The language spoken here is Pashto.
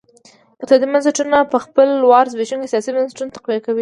اقتصادي بنسټونه په خپل وار زبېښونکي سیاسي بنسټونه تقویه کوي.